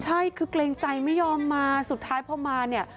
ใช่คือเกรงใจไม่ยอมมาสุดท้ายพอมาเนี่ย